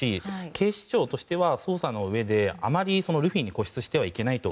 警視庁としては捜査のうえであまりルフィに固執してはいけないと。